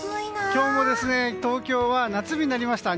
今日も東京は夏日になりました。